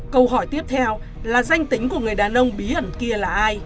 câu hỏi tiếp theo là danh tính của người đàn ông bí ẩn